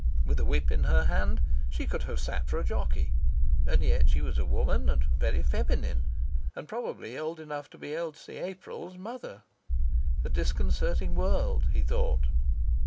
With a whip in her hand she could have sat for a jockey. And yet she was a woman, and very feminine, and probably old enough to be Elsie April's mother! A disconcerting world, he thought.